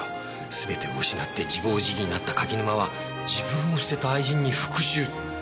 すべてを失って自暴自棄になった柿沼は自分を捨てた愛人に復讐。